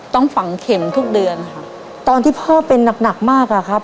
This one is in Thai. ต้องฝังเข็มทุกเดือนค่ะตอนที่พ่อเป็นหนักหนักมากอ่ะครับ